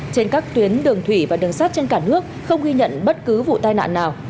trên các tuyến đường thủy và đường sát trên cả nước không ghi nhận bất cứ vụ tai nạn nào